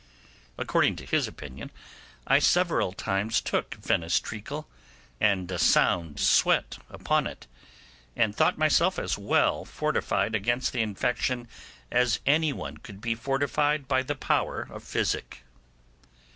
According to this opinion, I several times took Venice treacle, and a sound sweat upon it, and thought myself as well fortified against the infection as any one could be fortified by the power of physic.